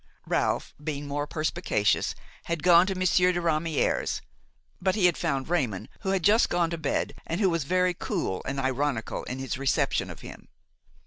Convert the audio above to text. Ralph, being more perspicacious, had gone to Monsieur de Ramière's, but he had found Raymon, who had just gone to bed and who was very cool and ironical in his reception of him.